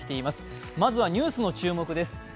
まずはニュースの注目です。